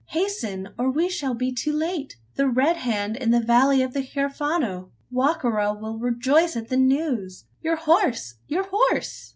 Hasten, or we shall be too late. The Red Hand in the valley of the Huerfano! Wa ka ra will rejoice at the news. Your horse! your horse!"